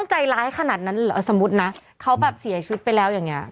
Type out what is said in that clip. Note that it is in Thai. ใจร้ายขนาดนั้นเหรอสมมุตินะเขาแบบเสียชีวิตไปแล้วอย่างเงี้